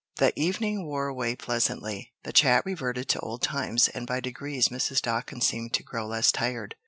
The evening wore away pleasantly. The chat reverted to old times, and by degrees Mrs. Dawkins seemed to grow less tired.